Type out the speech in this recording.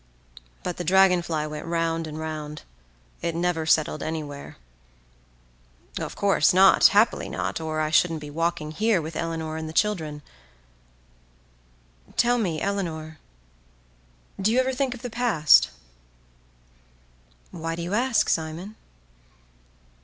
But the dragonfly went round and round: it never settled anywhere—of course not, happily not, or I shouldn't be walking here with Eleanor and the children—Tell me, Eleanor. D'you ever think of the past?""Why do you ask, Simon?"